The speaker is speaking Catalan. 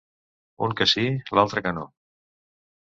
Un que sí; l’altre que no.